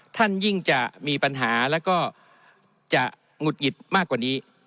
ท่านยิ่งจะมีปัญหาแล้วก็จะหงุดหงิดมากกว่านี้